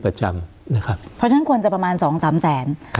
เพราะฉะนั้นคนจะประมาณ๒๓แสน